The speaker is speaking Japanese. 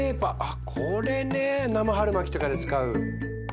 あこれね生春巻きとかで使う。